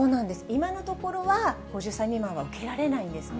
今のところは、５０歳未満は受けられないんですね。